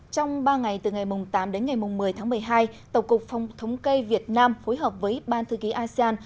trong ba ngày từ ngày tám đến ngày một mươi tháng một mươi hai tổng cục phòng thống kê việt nam phối hợp với ban thư ký asean